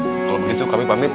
kalau begitu kami pamit